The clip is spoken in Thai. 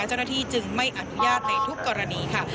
เจ้าหน้าที่จึงไม่อนุญาตในทุกกรณีค่ะ